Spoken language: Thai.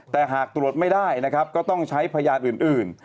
แต่หากตรวจไม่ได้นะครับก็ต้องใช้พยานอื่น